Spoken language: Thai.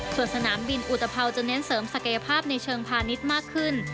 ส่วนสนามบินอุตภัวจะเน้นเสริมศักยภาพในเชิงพาณิชย์มากขึ้น